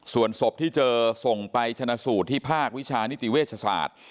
ส่วนศพที่เจอส่งไปชนะสูตรที่ภาควิชานิติเวชศาสตร์